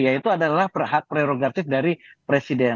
yaitu adalah hak prerogatif dari presiden